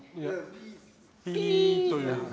「ピー」という。